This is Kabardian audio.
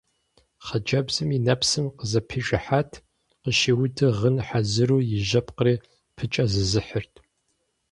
Хъыджэбзым и нэпсым къызэпижыхьат, къыщиуду гъын хьэзыру, и жьэпкъри пыкӀэзызыхьырт.